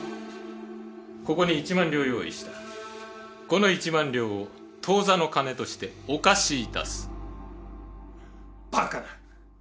ここに１万両用意したこの１万両を当座の金としてお貸しいたすバカな！